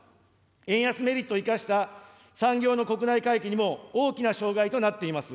円安メリットを生かした産業の国内回帰にも、大きな障害となっています。